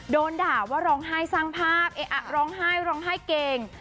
โดนด่าว่าร้องไห้สร้างภาพเอ๊ะร้องไห้ร้องไห้เก่ง